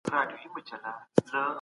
هغه څوک چي زده کړه کوي پوهه زياتوي.